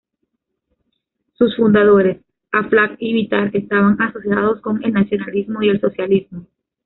Sus fundadores, Aflaq y Bitar, estaban asociados con el nacionalismo y el socialismo.